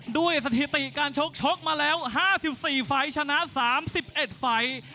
ด้วยสถิติการชกชกมาแล้ว๕๔ฝ่ายชนะ๓๑ฝ่าย